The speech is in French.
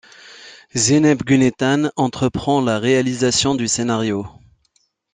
Zeynep Günay Tan entreprend la réalisation du scénario.